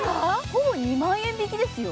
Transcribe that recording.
ほぼ２万円引きですよ。